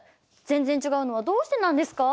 全然違うのはどうしてなんですか？